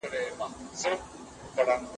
څومره وخت پکار دی چي دا کتاب پای ته ورسوو؟